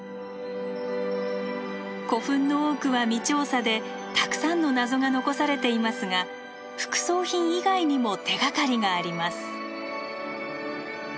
古墳の多くは未調査でたくさんの謎が残されていますが副葬品以外にも手がかりがあります。